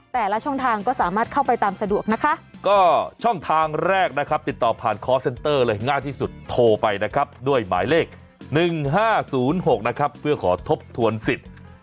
แต่ละช่องทางก็สามารถเข้าไปตามสะดวกนะคะก็ช่องทางแรกนะครับติดต่อผ่านคอร์เซ็นเตอร์เลยง่ายที่สุดโทรไปนะครับด้วยหมายเลข๑๕๐๖นะครับเพื่อขอทบทวนสิทธิ์